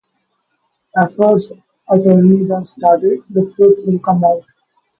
Afr's attorney then stated, The truth will come out.